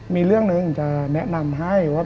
มีเรื่องหนึ่งจะแนะนำให้ว่า